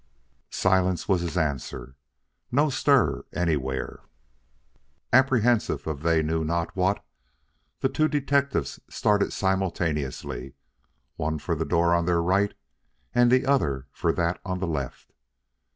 Silence was his answer no stir anywhere. Apprehensive of they knew not what, the two detectives started simultaneously, one for the door on their right, the other for that on the left.